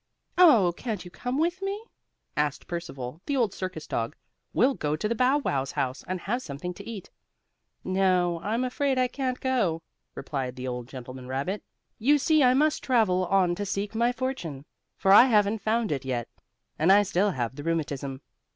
"Oh, can't you come with me?" asked Percival, the old circus dog. "We'll go to the Bow Wows house, and have something to eat." "No, I'm afraid I can't go," replied the old gentleman rabbit. "You see I must travel on to seek my fortune, for I haven't found it yet, and I still have the rheumatism."